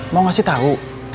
mau ngasih tau